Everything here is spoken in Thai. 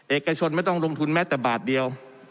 เอกชนไม่ต้องลงทุนแม้แต่บาทเดียว